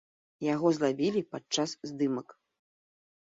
Яго злавілі падчас здымак.